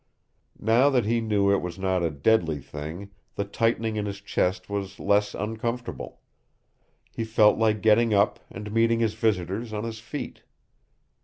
Now that he knew it was not a deadly thing, the tightening in his chest was less uncomfortable. He felt like getting up and meeting his visitors on his feet.